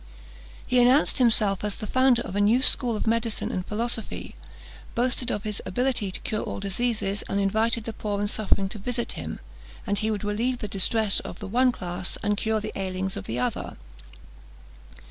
He announced himself as the founder of a new school of medicine and philosophy, boasted of his ability to cure all diseases, and invited the poor and suffering to visit him, and he would relieve the distress of the one class, and cure the ailings of the other.